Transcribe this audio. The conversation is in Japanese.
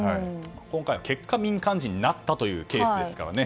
今回の結果、民間人になったというケースですからね。